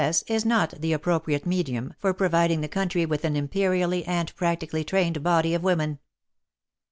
S. is not the appropriate medium for providing the country with an imperially dind practically trained body of women.